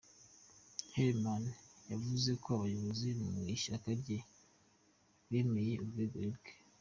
Hailemariam yavuze ko abayobozi mu ishyaka rye bemeye ubwegure bwe.